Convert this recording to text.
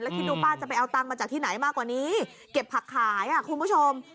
คิดดูป้าจะไปเอาตังค์มาจากที่ไหนมากกว่านี้เก็บผักขายอ่ะคุณผู้ชม